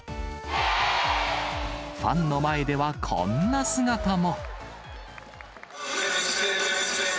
ファンの前ではこんな姿も。